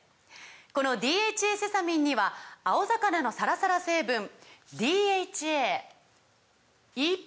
この「ＤＨＡセサミン」には青魚のサラサラ成分ＤＨＡＥＰＡ